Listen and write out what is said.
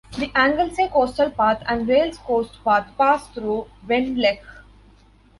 The Anglesey Coastal Path and Wales Coast Path pass through Benllech.